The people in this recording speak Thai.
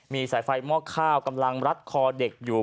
มีสายไฟหม้อข้าวกำลังรัดคอเด็กอยู่